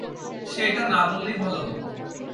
সে এটা না বললেই ভালো হত।